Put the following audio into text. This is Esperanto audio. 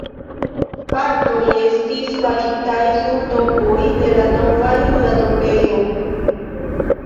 Partoj estis faritaj sur tomboj de la Nova juda tombejo.